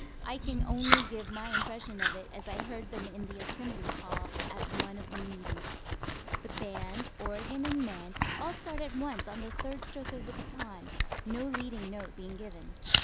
I can only give my impression of it as I heard them in the Assembly Hall at one of the meetings. The band, organ and men all start at once on the third stroke of the baton, no leading note being given.